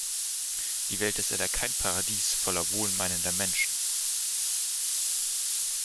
Die Welt ist leider kein Paradies voller wohlmeinender Menschen.